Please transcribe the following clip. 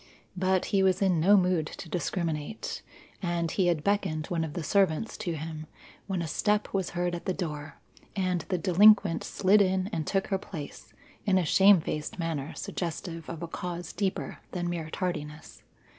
But he was in no mood to discriminate, and he had beckoned one of the servants to him, when a step was heard at the door and the delinquent slid in and took her place, in a shamefaced manner suggestive of a cause deeper than mere tardiness.